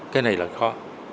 cái này là khó